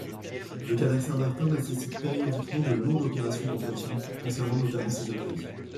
Le canal Saint-Martin nécessite périodiquement de lourdes opérations d’entretien, concernant notamment ses écluses.